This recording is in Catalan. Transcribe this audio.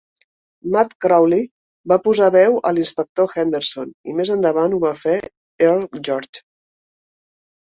Matt Crowley va posar veu a l'inspector Henderson, i més endavant ho va fer Earl George.